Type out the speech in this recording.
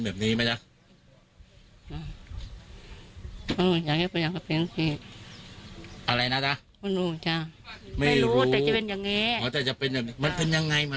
เดินได้ค่ะแม่จ๋าเดินไม่แข็งเดินไม่แข็งทำไมถึงเดินไม่